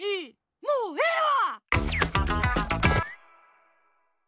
もうええわ！